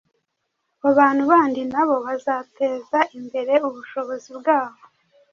Abo bantu bandi na bo bazateza imbere ubushobozi bwabo